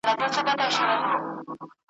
دا نړۍ زړه غمجنه پوروړې د خوښیو `